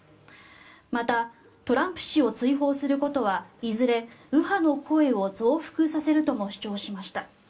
またトランプ氏を追放することはいずれ、右派の声を増幅させるとも主張しました。